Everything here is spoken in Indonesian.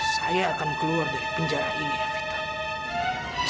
saya akan keluar dari penjara ini